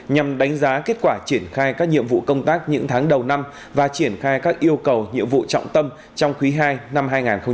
nhằm đánh giá kết quả triển khai các nhiệm vụ công tác những tháng đầu năm và triển khai các yêu cầu nhiệm vụ trọng tâm trong quý ii năm hai nghìn hai mươi